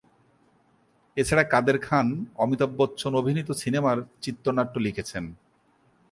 এছাড়া কাদের খান অমিতাভ বচ্চন অভিনীত সিনেমার চিত্রনাট্য লিখেছেন।